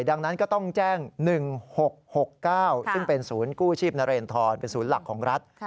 ดังนั้นก็ต้องแจ้ง๑๖๖๙ซึ่งเป็นศูนย์กู้ชีพนเรนทรเป็นศูนย์หลักของรัฐ